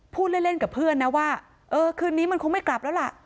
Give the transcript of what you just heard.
พูดเล่นกับเพื่อนนะว่าเออคืนนี้มันคงไม่กลับแล้วล่ะ